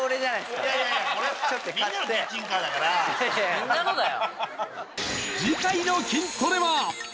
みんなのだよ。